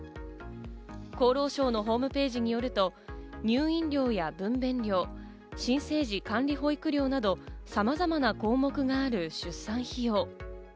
厚労省のホームページによると、入院料や分娩料、新生児管理保育料など、様々な項目がある出産費用。